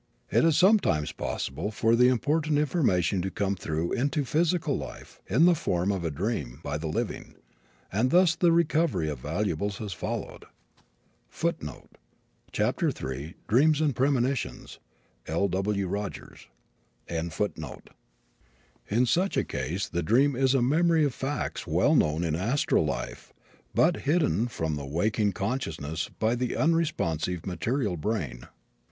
It is sometimes possible for the important information to come through into physical life in the form of a dream by the living, and thus the recovery of valuables has followed.[G] In such a case the dream is a memory of facts well known in astral life but hidden from the waking consciousness by the unresponsive material brain.